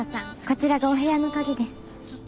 こちらがお部屋の鍵です。